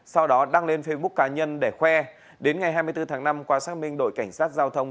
sau đó đăng lên facebook cá nhân để khoe đến ngày hai mươi bốn tháng năm qua xác minh đội cảnh sát giao thông